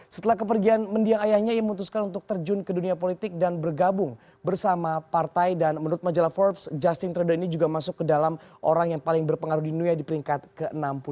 setelah kepergian mendiang ayahnya ia memutuskan untuk terjun ke dunia politik dan bergabung bersama partai dan menurut majalah forbes justin trade ini juga masuk ke dalam orang yang paling berpengaruh di dunia di peringkat ke enam puluh